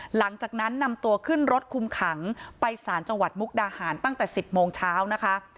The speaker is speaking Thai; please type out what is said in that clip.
หลังจากนั้นนำตัวขึ้นรถคุมขังไปสารจังหวัดมุกดาหารตั้งแต่๑๐โมงเช้านะคะ